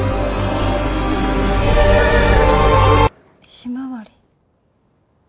ひまわり。